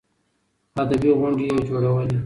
ادبي غونډې يې جوړولې.